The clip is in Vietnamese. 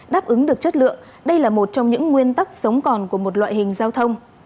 đáp ứng được chất lượng đây là một trong những nguyên tắc sống còn của một loại hình giao thông